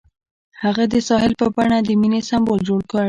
هغه د ساحل په بڼه د مینې سمبول جوړ کړ.